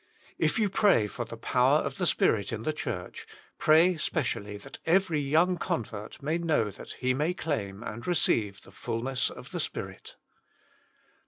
If you pray for the power of the Spirit in the Church, pray specially that every young convert may know that he may claim and receive the fulness of the Spirit.